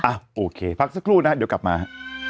โอเคพักสักครู่นะเดี๋ยวกลับมาฮะ